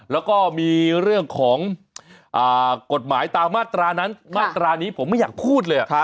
แล้วก็มีเรื่องของกฎหมายตามมาตรานั้นมาตรานี้ผมไม่อยากพูดเลย